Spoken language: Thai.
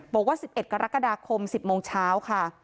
บอกว่า๑๑กรกฎาคม๑๐โมงเช้าค่ะ